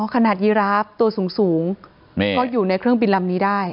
ยีราฟตัวสูงก็อยู่ในเครื่องบินลำนี้ได้